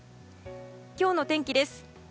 今日の天気です。